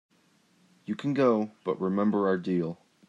You can go, but remember our deal.